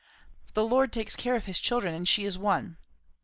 "The Lord takes care of his children; and she is one."